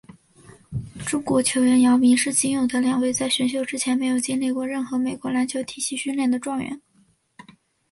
中国球员姚明是仅有的两位在选秀之前没有经历过任何美国篮球体系训练的状元。